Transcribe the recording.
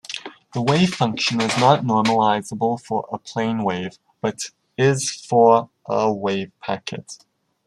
The wavefunction is not normalizable for a plane wave, but is for a wavepacket.